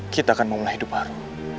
kita akan memulai hidup baru